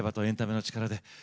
エンタメの力で。